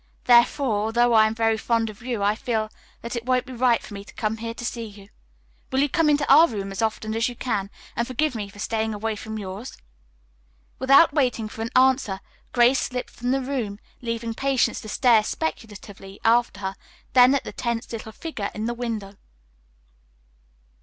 Therefore, although I am very fond of you, I feel that it won't be right for me to come here to see you. Will you come into our room as often as you can and forgive me for staying away from yours?" Without waiting for an answer, Grace slipped from the room, leaving Patience to stare speculatively after her, then at the tense little figure in the window.